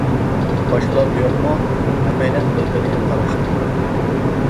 -باشقىلاردا يوقمۇ؟ ھەممەيلەن بىر بىرىگە قاراشتى.